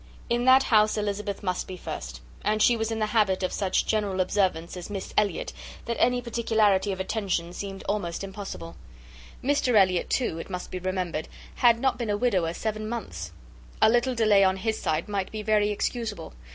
In that house Elizabeth must be first; and she was in the habit of such general observance as "Miss Elliot," that any particularity of attention seemed almost impossible. Mr Elliot, too, it must be remembered, had not been a widower seven months. A little delay on his side might be very excusable.